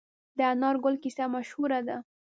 د انار ګل کیسه مشهوره ده.